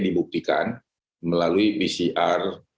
dibuktikan melalui pcr